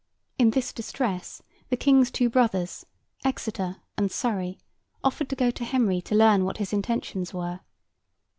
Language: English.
In this distress, the King's two brothers, Exeter and Surrey, offered to go to Henry to learn what his intentions were.